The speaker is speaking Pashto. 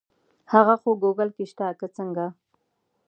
هغه خو ګوګل کې شته که څنګه.